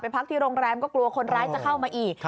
พักที่โรงแรมก็กลัวคนร้ายจะเข้ามาอีก